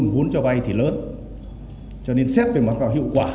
vốn cho vay thì lớn cho nên xếp về mặt vào hiệu quả